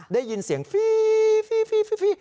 ได้ยินเสียงฟรี